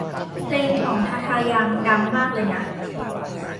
เพลงของทาทา ยัง ดังมากเลยนะ